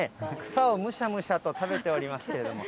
草をむしゃむしゃと食べておりますけれども。